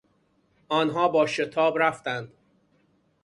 آنها با شتاب رفتند.